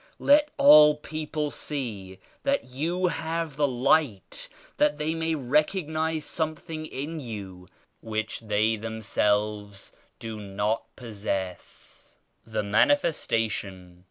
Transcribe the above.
Let all people see that you have the Light, that they may recog nize something in you which they themselves do not possess." 27 THE MANIFESTATION.